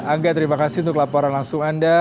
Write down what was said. angga terima kasih untuk laporan langsung anda